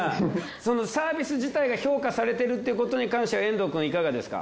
そのサービス自体が評価されてるっていうことに関しては遠藤くんいかがですか？